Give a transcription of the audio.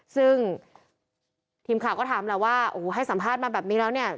ซึ่งทีมข่าวก็ถามแหละว่าโอ้โหให้สัมภาษณ์มาแบบนี้แล้วเนี่ย